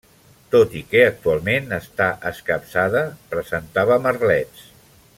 Tot i que actualment està escapçada, presentava merlets.